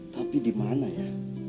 tapi dimana ya